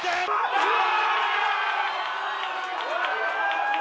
うわ！